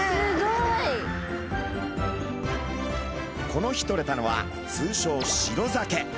この日とれたのは通称シロザケ。